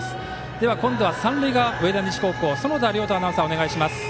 では、今度は三塁側の上田西高校園田遼斗アナウンサーお願いします。